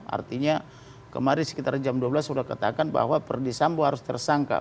artinya kemarin sekitar jam dua belas sudah katakan bahwa perdisambo harus tersangka